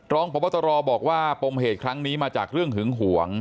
รองพบตรบอกว่าปมเหตุครั้งนี้มาจากเรื่องหึงหวง